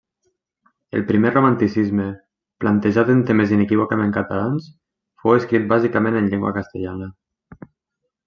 El primer romanticisme, plantejat en temes inequívocament catalans, fou escrit bàsicament en llengua castellana.